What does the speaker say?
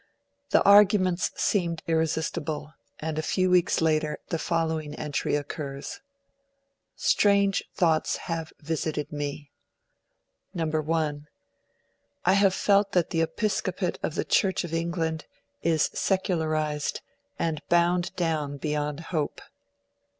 The arguments seemed irresistible, and a few weeks later the following entry occurs 'Strange thoughts have visited me: (1) I have felt that the Episcopate of the Church of England is secularised and bound down beyond hope....